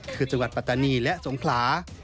คือจังหวัดปัตตานีและสงขลา